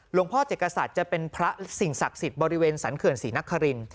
หลวงพ่อเจ็ดกษัตริย์จะเป็นพระสิ่งศักดิ์สิทธิ์บริเวณสันเขินศรีนักฮริน